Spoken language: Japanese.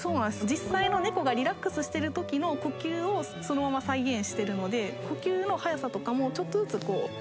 実際の猫がリラックスしてる時の呼吸をそのまま再現してるので呼吸の速さとかもちょっとずつランダムにしているというか。